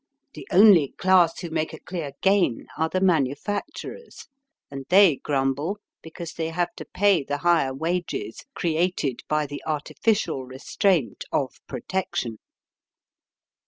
The only class who make a clear gain are the manufacturers, and they grumble because they have to pay the higher wages created by the artificial restraint of Pro tection.